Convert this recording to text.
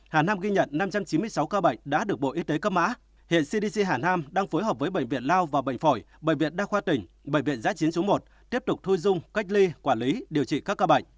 hà nam ghi nhận năm trăm chín mươi sáu ca bệnh đã được bộ y tế cấp mã hiện cdc hà nam đang phối hợp với bệnh viện lao và bệnh phổi bệnh viện đa khoa tỉnh bệnh viện giã chiến số một tiếp tục thôi dung cách ly quản lý điều trị các ca bệnh